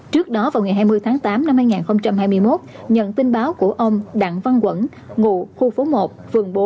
trước đó vào ngày hai mươi tháng tám năm hai nghìn hai mươi một nhận tin báo của ông đặng văn quẩn ngụ khu phố một phường bốn